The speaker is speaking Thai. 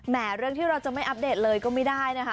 เรื่องที่เราจะไม่อัปเดตเลยก็ไม่ได้นะคะ